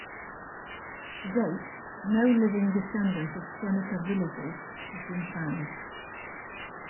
To date, no living descendants of Seneca Villagers have been found.